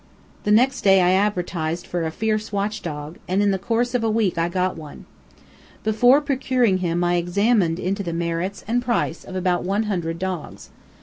The next day I advertised for a fierce watchdog, and in the course of a week I got one. Before I procured him I examined into the merits, and price, of about one hundred dogs.